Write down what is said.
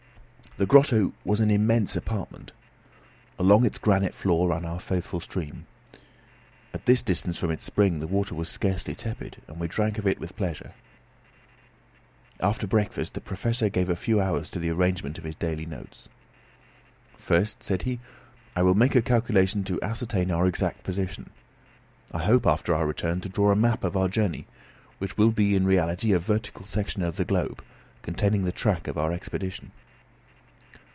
The grotto was an immense apartment. Along its granite floor ran our faithful stream. At this distance from its spring the water was scarcely tepid, and we drank of it with pleasure. After breakfast the Professor gave a few hours to the arrangement of his daily notes. "First," said he, "I will make a calculation to ascertain our exact position. I hope, after our return, to draw a map of our journey, which will be in reality a vertical section of the globe, containing the track of our expedition."